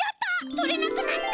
とれなくなった！